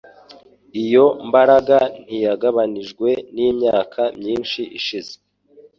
Iyo mbaraga ntiyagabanijwe n'imyaka myinshi ishize